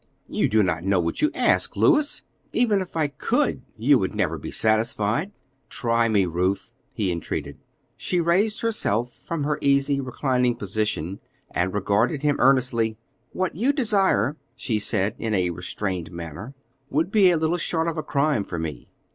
"You do not know what you ask, Louis. Even if I could, you would never be satisfied." "Try me, Ruth," he entreated. She raised herself from her easy, reclining position, and regarded him earnestly. "What you desire," she said in a restrained manner, "would be little short of a crime for me.